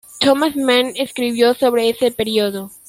Thomas Mann escribió sobre ese período.